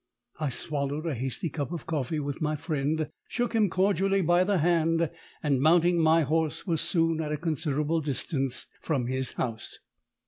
I swallowed a hasty cup of coffee with my friend, shook him cordially by the hand, and mounting my horse, was soon at a considerable distance from his house.